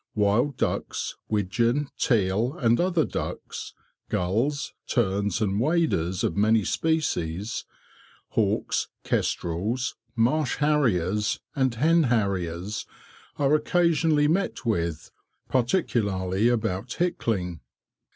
Wild ducks, widgeon, teal, and other ducks, gulls, terns, and waders of many species, hawks, kestrels, marsh harriers, and hen harriers are occasionally met with, particularly about Hickling.